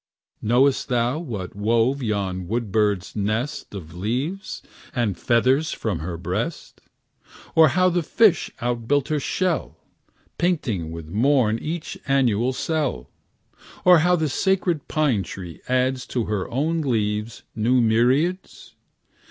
Knowst thou what wove yon wood bird's nest Of leaves and feathers from her breast? Or how the fish outbuilt her shell, Painting with morn each annual cell? Or how the sacred pine tree adds To her old leaves new myriads?